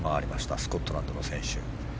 スコットランドの選手。